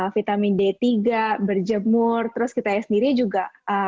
vitamin d tiga berjemur terus kita sendiri juga